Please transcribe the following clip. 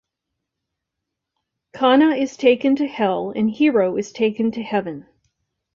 Khanna is taken to Hell and Hero is taken to Heaven.